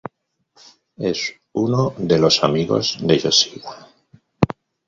Es uno de los amigos de Yoshida.